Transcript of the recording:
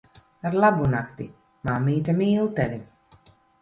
Arlabunakti. Mammīte mīl tevi.